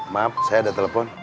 maaf saya ada telepon